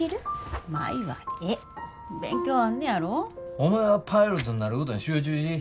お前はパイロットになることに集中し。